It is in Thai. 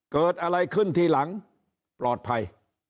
เกิดอะไรขึ้นทีหลังปลอดภัย